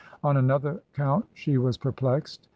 On another count she was perplexed.